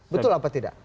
betul apa tidak